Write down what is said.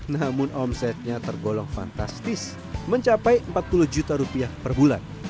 namun omsetnya tergolong fantastis mencapai rp empat puluh juta per bulan